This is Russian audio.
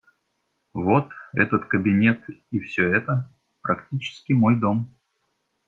Вот этот кабинет и все это - практически мой дом.